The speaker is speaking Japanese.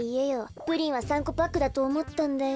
プリンは３こパックだとおもったんだよ。